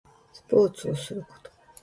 スポーツをすること